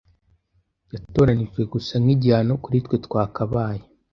Yatoranijwe gusa nk'igihano kuri twe twatakaye